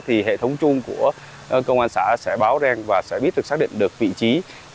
thì hệ thống chuông của công an xã sẽ báo rang và sẽ biết được xác định được vị trí